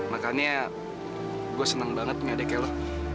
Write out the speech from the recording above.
makanya gue senang banget punya adiknya lo